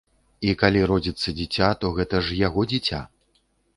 І калі родзіцца дзіця, то гэта ж яго дзіця!